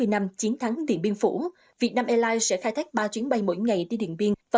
bảy mươi năm chiến thắng điện biên phủ vietnam airlines sẽ khai thác ba chuyến bay mỗi ngày đi điện biên và